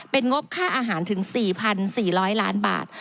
เป็นงบค่าอาหารถึง๔๔๐๐ล้านบาท